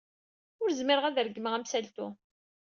Ur zmireɣ ad regmeɣ amsaltu.